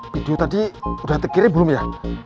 video tadi sudah terkirim belum ya